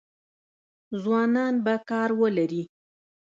ځوانان به کار ولري؟